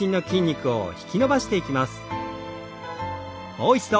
もう一度。